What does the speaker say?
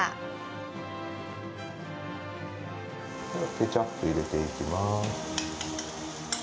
ケチャップ入れていきます。